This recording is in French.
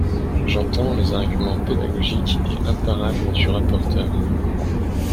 J’entends les arguments pédagogiques et imparables du rapporteur.